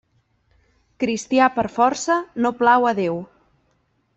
Cristià per força no plau a Déu.